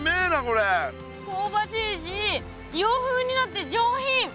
こうばしいし洋風になって上品。